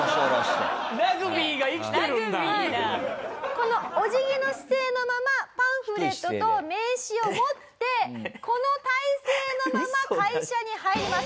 このお辞儀の姿勢のままパンフレットと名刺を持ってこの体勢のまま会社に入ります。